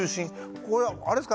これあれですか？